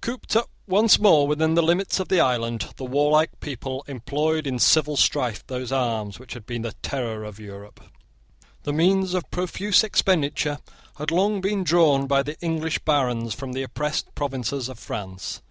Cooped up once more within the limits of the island, the warlike people employed in civil strife those arms which had been the terror of Europe. The means of profuse expenditure had long been drawn by the English barons from the oppressed provinces of France.